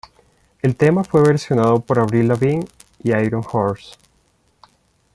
El tema fue versionado por Avril Lavigne y Iron Horse.